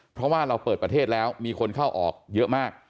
เพราะว่าเราเปิดประเทศแล้วมีคนเข้าออกเยอะมาก